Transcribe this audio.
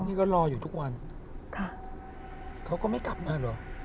นี่ก็รออยู่ทุกวันค่ะเขาก็ไม่กลับมาเหรอ